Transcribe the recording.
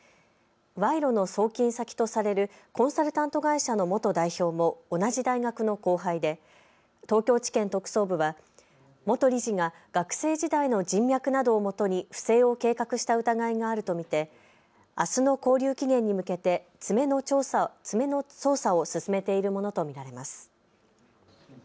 賄賂の送金先とされるコンサルタント会社の元代表も同じ大学の後輩で東京地検特捜部は元理事が学生時代の人脈などをもとに不正を計画した疑いがあると見てあすの勾留期限に向けて詰めの捜査を進めているものと見られます。